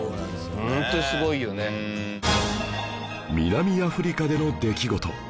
南アフリカでの出来事